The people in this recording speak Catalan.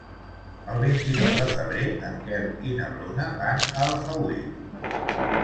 El vint-i-nou de febrer en Quel i na Bruna van a Alfauir.